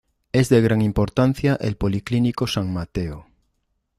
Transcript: Es de gran importancia el Policlínico San Matteo.